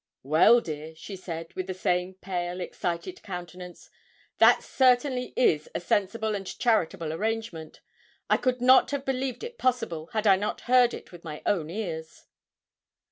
'Well, dear,' she said, with the same pale, excited countenance, 'that certainly is a sensible and charitable arrangement. I could not have believed it possible, had I not heard it with my ears.'